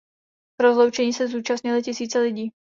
Rozloučení se zúčastnily tisíce lidí.